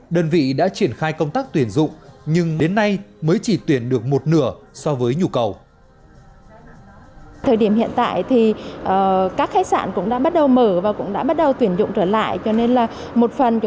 đơn vị đã triển khai công tác tuyển dụng nhưng đến nay mới chỉ tuyển được một nửa so với nhu cầu